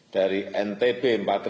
dari ntb empat dua ratus